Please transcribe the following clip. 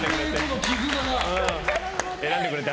選んでくれて。